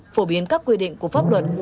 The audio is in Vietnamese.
phổ biến các quy định của pháp luật